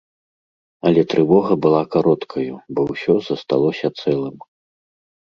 Але трывога была кароткаю, бо ўсё засталося цэлым.